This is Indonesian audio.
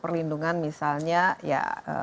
perlindungan misalnya ya